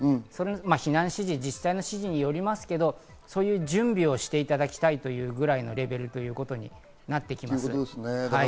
避難指示、実際の指示によりますけど、準備をしていただきたいというくらいのレベルということになってきます。